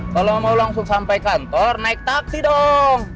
kalau mau langsung sampai kantor naik taksi dong